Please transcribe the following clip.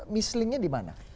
mislingnya di mana